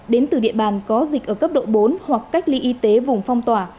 đến từ địa bàn có dịch ở cấp độ bốn hoặc cách ly y tế vùng phong tỏa